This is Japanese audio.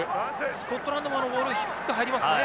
スコットランドもボール低く入りますね。